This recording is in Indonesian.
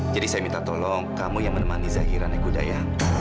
jadi saya minta tolong kamu yang menemani zahira nek uda ya